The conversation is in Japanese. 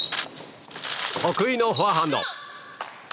得意のフォアハンド。